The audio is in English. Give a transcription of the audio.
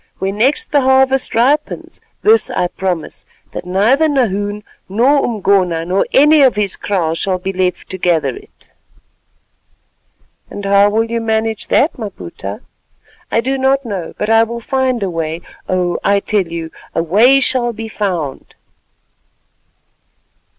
When next the harvest ripens, this I promise, that neither Nahoon nor Umgona, nor any of his kraal shall be left to gather it." "And how will you manage that, Maputa?" "I do not know, but I will find a way. Oh! I tell you, a way shall be found."